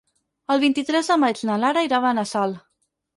El vint-i-tres de maig na Lara irà a Benassal.